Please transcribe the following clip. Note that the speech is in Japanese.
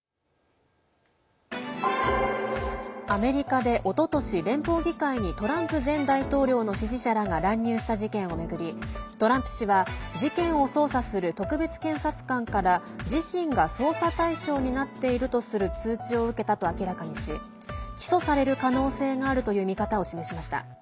アメリカで、おととし連邦議会にトランプ前大統領の支持者らが乱入した事件を巡りトランプ氏は事件を捜査する特別検察官から、自身が捜査対象になっているとする通知を受けたと明らかにし起訴される可能性があるという見方を示しました。